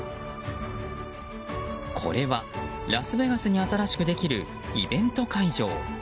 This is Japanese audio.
これはラスベガスに新しくできるイベント会場。